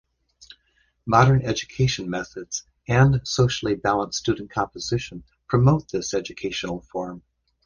Modern education methods and socially balanced student composition promote this educational form.